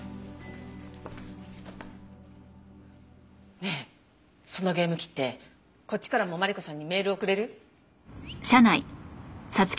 ねえそのゲーム機ってこっちからもマリコさんにメール送れる？